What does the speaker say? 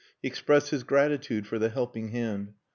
He expressed his gratitude for the helping hand.